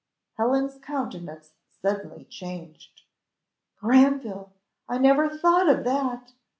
Helen's countenance suddenly changed "Granville! I never thought of that!"